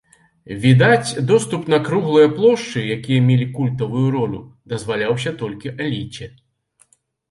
Відаць, доступ на круглыя плошчы, якія мелі культавую ролю, дазваляўся толькі эліце.